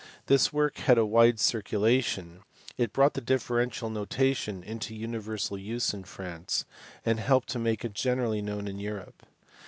This work had a wide circulation, it brought the differential notation into universal use in France, and helped to make it generally known in Europe.